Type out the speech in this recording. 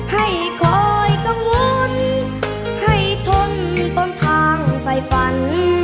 ให้คอยกังวลให้ทนต้นทางไฟฝัน